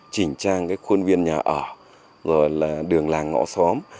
chỉnh trang khuôn viên nhà ở đường làng ngõ xóm